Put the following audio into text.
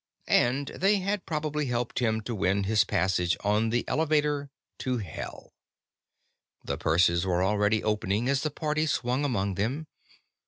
And they had probably helped to win him his passage on the Elevator to Hell. The purses were already opening as the party swung among them.